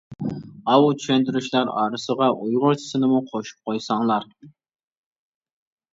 ئاۋۇ چۈشەندۈرۈشلەر ئارىسىغا ئۇيغۇرچىسىنىمۇ قوشۇپ قويساڭلار.